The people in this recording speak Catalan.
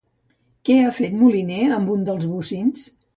Què ha fet Moliner amb un dels bocins?